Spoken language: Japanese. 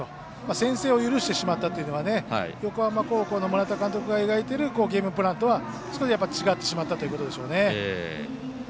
先制を許してしまったというのは横浜高校の村田監督が描いているゲームプラントは少し違ってしまったということでしょうね。